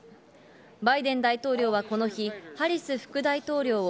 バイデン大統領はこの日、ハリス副大統領を